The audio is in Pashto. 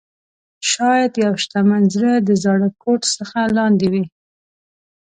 شاید یو شتمن زړه د زاړه کوټ څخه لاندې وي.